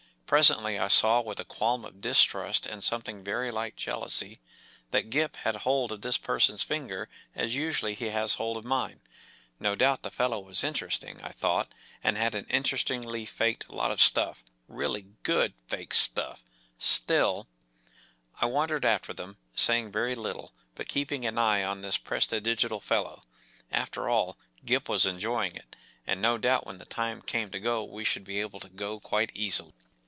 Presently I saw with a qualm of distrust and something very like jealousy that Gip had hold of this person’s finger as usually he has hold of mine. No doubt the fellow was interesting, I thought, and had an interestingly faked lot of stuff, really good faked stuff , still — I wandered after them, saying very little, but keeping an eye on this prestidigital fellow. After all, Gip was enjoying it. And no doubt when the time came to go we should be able to go quite easily.